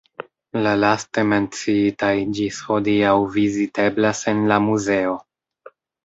La laste menciitaj ĝis hodiaŭ viziteblas en la muzeo.